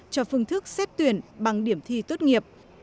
cho phương thức xét tuyển bằng điểm thi tốt nghiệp